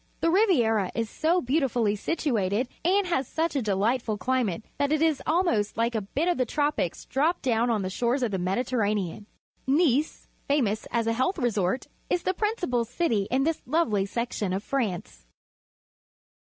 The Ri^'iera is so beautifullj' situated and has such a delightful climate that it is almost like a bit of the tropics dropped down on the shores of the ^Mediterranean. jNicfj famous as a health resort, is the principal city in this lovely section of France.